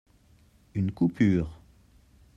Une coupure.